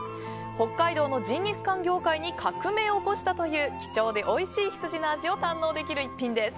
北海道のジンギスカン業界に革命を起こしたという貴重でおいしい羊の味を堪能できる逸品です。